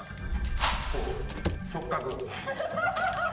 こう直角。